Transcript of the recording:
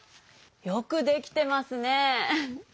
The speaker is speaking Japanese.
よくできてますね。